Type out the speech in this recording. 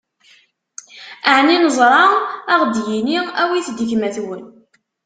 Ɛni neẓra ad ɣ-id-yini: Awit-d gma-twen?